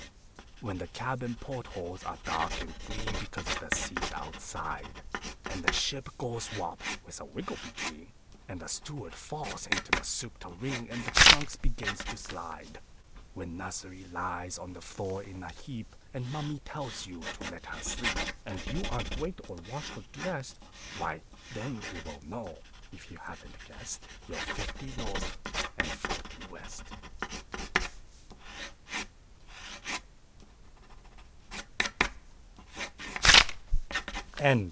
WHEN the cabin port holes are dark and green Because of the seas outside; When the ship goes wop (with a wiggle between) And the steward falls into the soup tureen, And the trunks begin to slide; When Nursey lies on the floor in a heap, And Mummy tells you to let her sleep, And you aren't waked or washed or dressed, Why, then you will know (if you haven't guessed) You're 'Fifty North and Forty West!